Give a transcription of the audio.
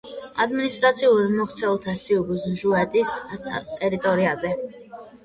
ადმინისტრაციულად მოქცეულია სიბიუს ჟუდეცის ტერიტორიაზე.